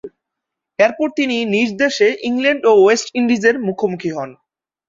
এরপর তিনি নিজ দেশে ইংল্যান্ড ও ওয়েস্ট ইন্ডিজের মুখোমুখি হন।